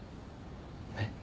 えっ？